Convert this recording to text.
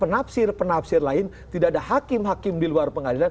penafsir penafsir lain tidak ada hakim hakim di luar pengadilan